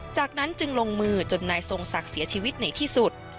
จากนั้นจึงลงมือจนนายทรงศักดิ์เสียชีวิตในที่สุด